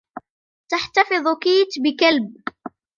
تحتفظ كيت بكلب.